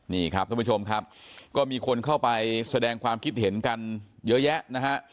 นี่ครับท่านผู้ชมครับก็มีคนเข้าไปแสดงความคิดเห็นกันเยอะแยะนะฮะ